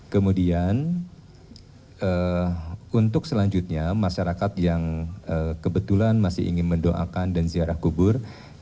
kemudian untuk selanjutnya masyarakat yang kebetulan masih ingin mendoakan dan ziarah kubur